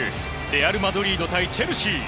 レアル・マドリード対チェルシー。